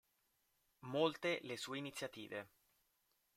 Molte le sue iniziative.